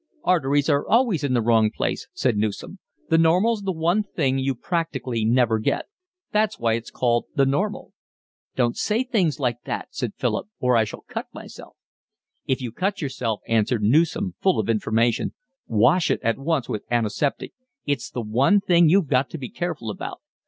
"Arteries always are in the wrong place," said Newson. "The normal's the one thing you practically never get. That's why it's called the normal." "Don't say things like that," said Philip, "or I shall cut myself." "If you cut yourself," answered Newson, full of information, "wash it at once with antiseptic. It's the one thing you've got to be careful about.